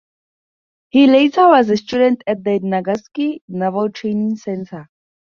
He later was a student at the Nagasaki Naval Training Center.